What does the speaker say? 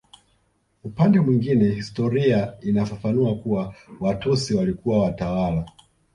Upande mwingine historia inafafanua kuwa Watusi walikuwa watawala